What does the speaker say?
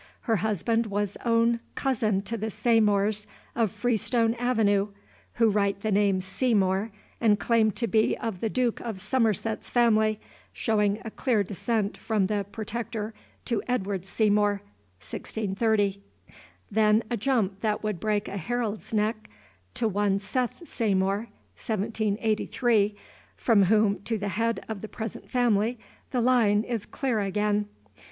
Her husband was own cousin to the Saymores of Freestone Avenue (who write the name Seymour, and claim to be of the Duke of Somerset's family, showing a clear descent from the Protector to Edward Seymour, (1630,) then a jump that would break a herald's neck to one Seth Saymore,(1783,) from whom to the head of the present family the line is clear again).